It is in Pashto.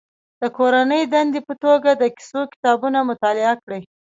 د کورنۍ دندې په توګه د کیسو کتابونه مطالعه کړي.